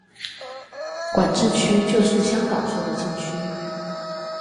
管制區就是香港說的禁區